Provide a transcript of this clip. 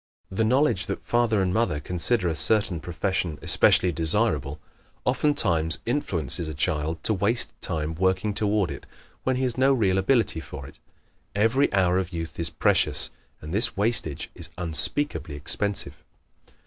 The knowledge that father and mother consider a certain profession especially desirable oftentimes influences a child to waste time working toward it when he has no real ability for it. Every hour of youth is precious and this wastage is unspeakably expensive.